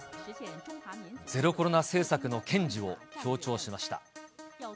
ゼロコロナ政策の堅持を強調しました。